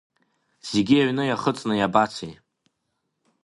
Зегьы аҩны иахыҵны иабацеи?